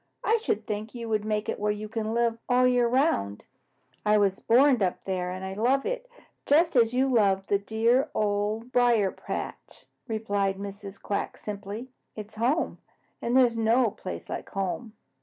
"I should think you would make it where you can live all the year around." "I was born up there, and I love it just as you love the dear Old Briar patch," replied Mrs. Quack simply. "It is home, and there is no place like home.